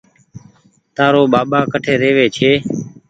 تآرو ٻآٻآ ڪٺ رهوي ڇي